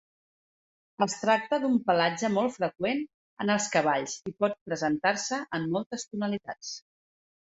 Es tracta d'un pelatge molt freqüent en els cavalls i pot presentar-se en moltes tonalitats.